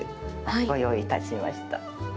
ご用意いたしました。